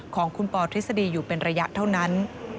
ของคุณปอทฤษฎีอยู่เป็นระยะเท่านั้น